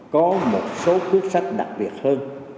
có một số cuốc sách đặc biệt hơn